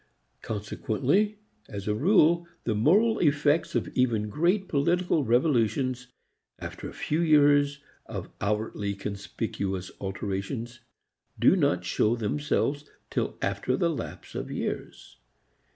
Consequently as a rule the moral effects of even great political revolutions, after a few years of outwardly conspicuous alterations, do not show themselves till after the lapse of years.